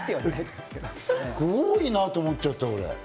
多いなと思っちゃった。